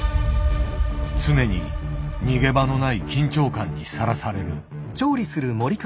常に逃げ場のない緊張感にさらされる。